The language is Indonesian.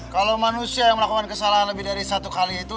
kalau manusia yang melakukan kesalahan lebih dari satu kali itu